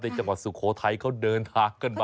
จังหวัดสุโขทัยเขาเดินทางกันมา